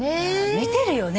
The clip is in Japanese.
見てるよね。